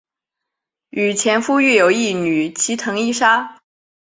与前夫育有一女齐藤依纱。